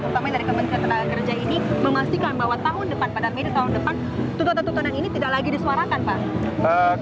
utamanya dari kementerian tenaga kerja ini memastikan bahwa tahun depan pada mei tahun depan tuntutan tuntutan ini tidak lagi disuarakan pak